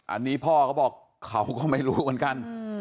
อันนี้พ่อเขาบอกเขาก็ไม่รู้เหมือนกัน